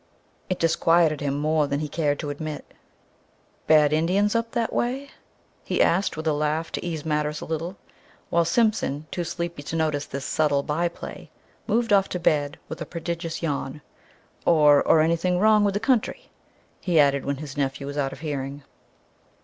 It disquieted him more than he cared to admit. "Bad Indians up that way?" he asked, with a laugh to ease matters a little, while Simpson, too sleepy to notice this subtle by play, moved off to bed with a prodigious yawn; "or or anything wrong with the country?" he added, when his nephew was out of hearing.